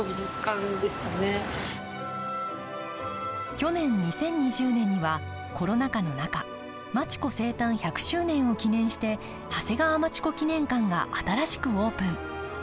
去年２０２０年にはコロナ禍の中町子生誕１００周年を記念して長谷川町子記念館が新しくオープン。